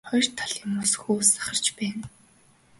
Хоёр талын ус хөөс сахарч байна.